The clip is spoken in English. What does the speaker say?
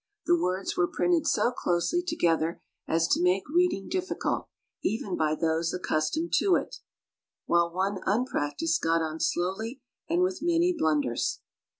The words were printed so closely together as to make reading difficult even by those accustomed to it, while one unpracticed got on slowly and with many blunders.